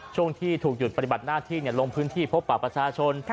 ช่วงที่ถูกหยุดปฏิบัติหน้าที่ลงพื้นที่พบปรับประชาชน